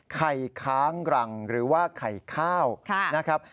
ไข่ค้างรังหรือว่าไข่ข้าวนะครับ